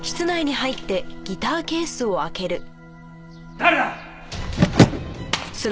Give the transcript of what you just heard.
誰だ！？